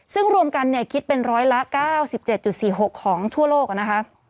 ซึ่งรวมกันคิดเป็นร้อยละ๙๗๔๖ของทั่วโลกนะคะ